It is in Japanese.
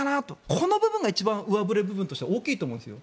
この部分が一番上振れ部分としては大きいと思うんですよ。